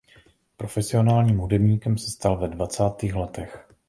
Profesionálním hudebníkem se stal ve dvacátých letech.